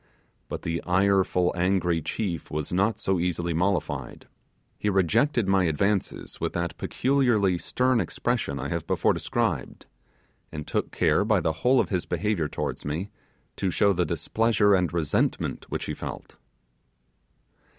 But the ireful, angry chief was not so easily mollified. He rejected my advances with that peculiarly stern expression I have before described, and took care by the whole of his behaviour towards me to show the displeasure and resentment which he felt.